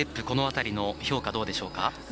この辺りどうでしょうか？